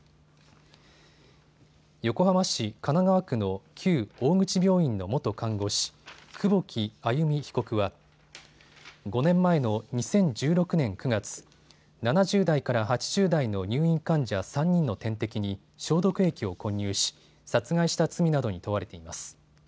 横浜市神奈川区の旧大口病院の元看護師、久保木愛弓被告は５年前の２０１６年９月、７０代から８０代の入院患者３人の点滴に消毒液を混入し殺害した罪などに問われています。